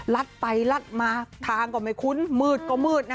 ไปลัดมาทางก็ไม่คุ้นมืดก็มืดนะ